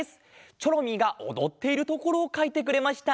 チョロミーがおどっているところをかいてくれました。